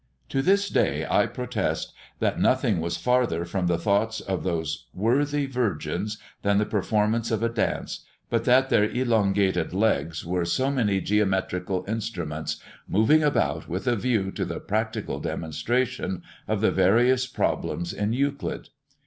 To this day I protest that nothing was farther from the thoughts of those worthy virgins than the performance of a dance, but that their elongated legs were so many geometrical instruments moving about with a view to the practical demonstration of the various problems in Euclid.